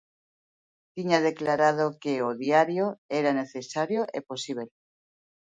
Tiña declarado que o diario era necesario e posíbel.